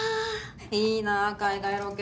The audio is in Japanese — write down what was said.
・いいな海外ロケ。